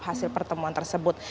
hasil pertemuan tersebut